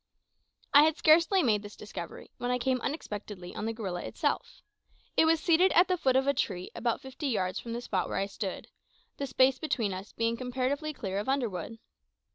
I had scarcely made this discovery when I came unexpectedly on the gorilla itself. It was seated at the foot of a tree about fifty yards from the spot where I stood, the space between us being comparatively clear of underwood.